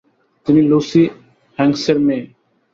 তিনি লুসি হ্যাঙ্কসের মেয়ে।